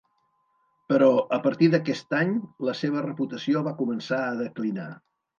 Però a partir d'aquest any, la seva reputació va començar a declinar.